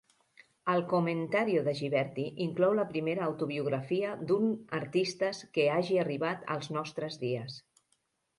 El "Commentario" de Ghiberti inclou la primera autobiografia d'un artistes que hagi arribat als nostres dies.